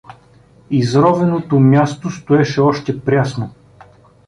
Изровеното място стоеше още прясно.